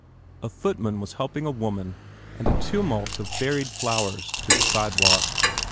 A footman was helping a woman and a tumult of varied flowers to the sidewalk.